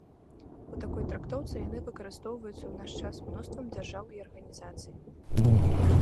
У такой трактоўцы яны выкарыстоўваюцца ў наш час мноствам дзяржаў і арганізацый.